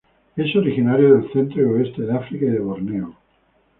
Es originario del centro y oeste de África y de Borneo.